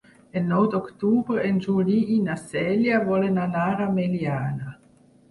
El nou d'octubre en Juli i na Cèlia volen anar a Meliana.